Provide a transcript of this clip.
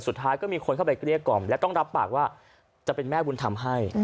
สุดท้ายก็มีคนเข้าไปเกลี้ยกล่อมและต้องรับปากว่าจะเป็นแม่บุญธรรมให้